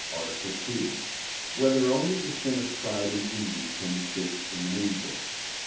63, Art. 2] Whether Only the Sin of Pride and Envy Can Exist in an Angel?